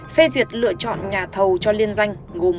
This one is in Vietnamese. phê duyệt lựa chọn nhà thầu cho liên danh thuận an